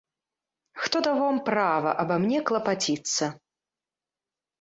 Хто даў вам права аба мне клапаціцца?